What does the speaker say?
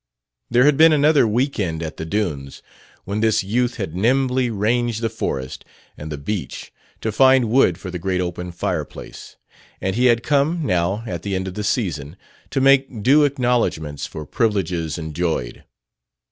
There had been another weekend at the dunes, when this youth had nimbly ranged the forest and the beach to find wood for the great open fireplace; and he had come, now, at the end of the season, to make due acknowledgments for privileges enjoyed.